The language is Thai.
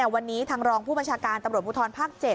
วันนี้ทางรองผู้บัญชาการตำรวจภูทรภาค๗